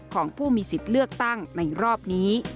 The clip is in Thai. ของผู้มีสิทธิ์เลือกตั้งในรอบนี้